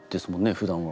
ふだんは。